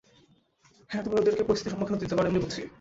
হ্যাঁ, তুমি ওদেরকে পরিস্থিতির সম্মুখীন হতে দিতে পারো, এমনি বলছি।